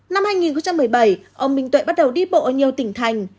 năm hai nghìn một mươi bảy ông minh tuệ bắt đầu đi bộ ở nhiều tỉnh thành